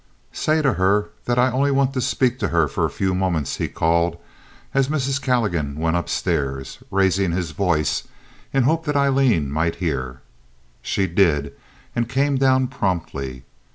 "Say to her that I only want to speak to her for a few moments," he called, as Mrs. Calligan went up stairs, raising his voice in the hope that Aileen might hear. She did, and came down promptly.